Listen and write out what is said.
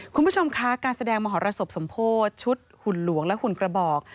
คุณผู้ชมคะการแสดงมหรสบสมโพธิชุดหุ่นหลวงและหุ่นกระบอก